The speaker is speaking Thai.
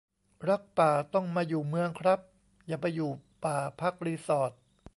รักป่าต้องมาอยู่เมืองครับ อย่าไปอยู่ป่าพักรีสอร์ต